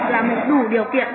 là một đủ điều kiện